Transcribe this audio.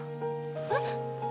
えっ？